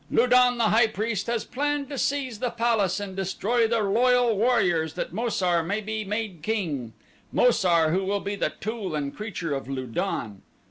Lu don, the high priest, has planned to seize the palace and destroy the loyal warriors that Mo sar may be made king Mo sar who will be the tool and creature of Lu don.